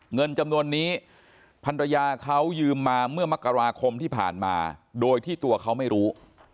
เงินจำนวนนี้พันรยาเขายืมมาเมื่อมกราคมที่ผ่านมาโดยที่ตัวเขาไม่รู้